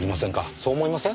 そう思いません？